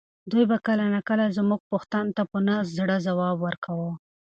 دوی به کله ناکله زما پوښتنو ته په نه زړه ځواب ورکاوه.